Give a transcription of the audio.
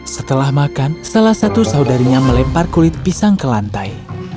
setelah makan salah satu saudarinya melempar kulit pisang ke lantai